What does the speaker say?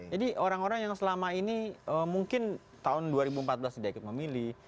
jadi orang orang yang selama ini mungkin tahun dua ribu empat belas tidak ikut memilih